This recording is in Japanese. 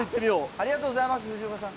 ありがとうございます、藤岡さん。